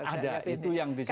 ada itu yang disebut